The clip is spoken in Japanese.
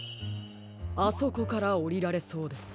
あそこからおりられそうです。